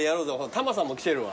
玉さんも来てるわ。